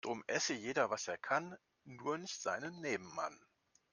Drum esse jeder was er kann, nur nicht seinen Nebenmann.